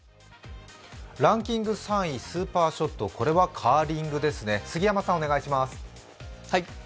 ランキング３位、スーパーショット、これはカーリングですね。